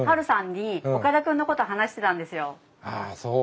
ああそう。